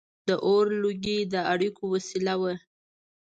• د اور لوګي د اړیکو وسیله وه.